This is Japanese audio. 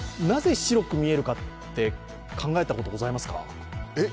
なぜ白く見えるかって考えたことございますか？